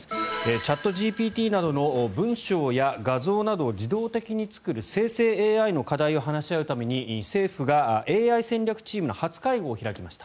チャットＧＰＴなどの文章や画像などを自動的に作る生成ＡＩの課題を話し合うために政府がＡＩ戦略チームの初会合を開きました。